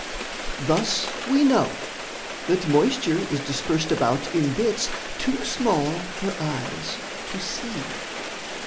Thus we know, That moisture is dispersed about in bits Too small for eyes to see.